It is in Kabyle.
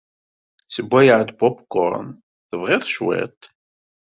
Sewwayeɣ-d popcorn. Tebɣiḍ cwiṭ?